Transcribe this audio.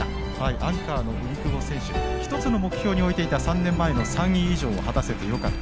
アンカーの荻久保選手１つの目標に置いていた３年前の３位以上を果たせてよかった。